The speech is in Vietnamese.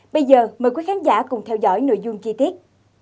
bây giờ mời quý khán giả cùng theo dõi nội dung chi tiết